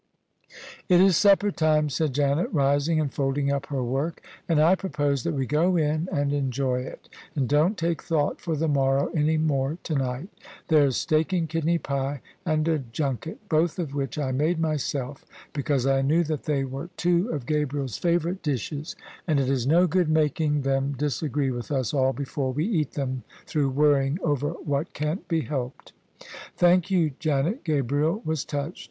" It is supper time," said Janet, rising and folding up her work :" and I propose that we go in and enjoy it, and don't take thought for the morrow any more to night. There's steak and kidney pie and a junket, both of which I made myself, because I knew that they were two of Gabriel's favourite dishes: and it is no good making them THE SUBJECTION OF ISABEL CARNABY disagree with us all before we eat them, throu^ worrying over what can't be helped." "Thank you, Janet." Gabriel was touched.